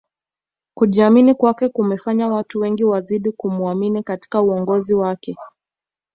kujiamini kwake kumefanya watu wengi wazidi kumuamini katika uongozi wake